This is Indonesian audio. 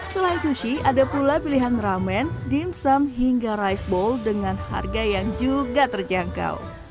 selain sushi ada pula pilihan ramen dimsum hingga rice ball dengan harga yang juga terjangkau